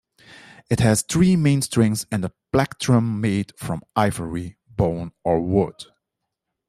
It has three main strings and a plectrum made from ivory, bone or wood.